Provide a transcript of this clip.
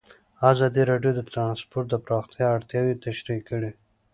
ازادي راډیو د ترانسپورټ د پراختیا اړتیاوې تشریح کړي.